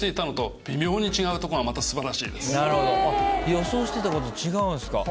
予想してたことと違うんすか。